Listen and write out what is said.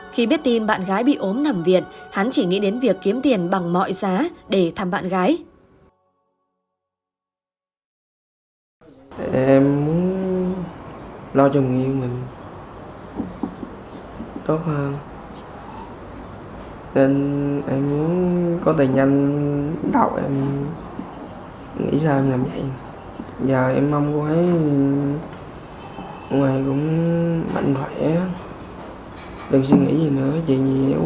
khi biết tin bạn gái bị ốm nằm viện hắn chỉ nghĩ đến việc kiếm tiền bằng mọi giá để thăm bạn gái